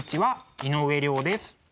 井上涼です。